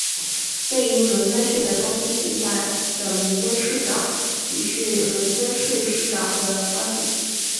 位于伦敦市的中心地带的伦敦市长官邸是伦敦市市长的官邸。